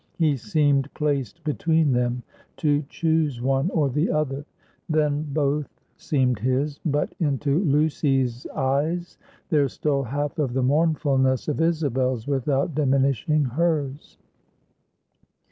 He seemed placed between them, to choose one or the other; then both seemed his; but into Lucy's eyes there stole half of the mournfulness of Isabel's, without diminishing hers.